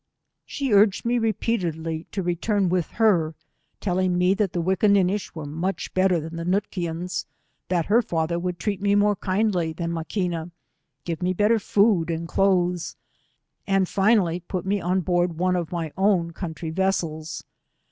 She urged me repeatedly to return.with her, telling me that the Wickinninish 10:i were mucli better tliau the Nootkians; that her father would treat me more kiudly thaa Maquina, give me better fbod and clothes, and finally, pat me oa board one of my own country .vessels.